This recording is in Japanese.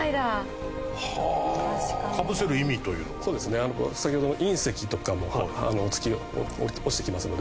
そうですね先ほどの隕石とかも月落ちてきますので。